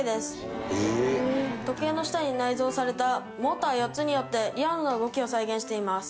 時計の下に内蔵されたモーター４つによってリアルな動きを再現しています。